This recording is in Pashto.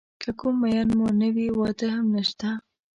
که کوم مېن مو نه وي واده هم نشته.